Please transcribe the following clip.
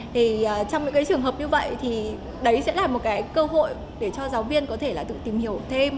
trong những trường hợp như vậy thì đấy sẽ là một cơ hội để cho giáo viên có thể tự tìm hiểu thêm